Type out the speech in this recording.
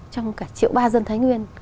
trong cả triệu ba dân thái nguyên